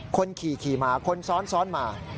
คนขี่มาคนซ้อนมา